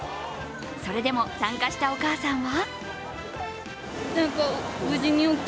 それでも、参加したお母さんは。